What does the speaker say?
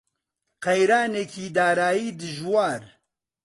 قەیرانێکی دارایی دژوار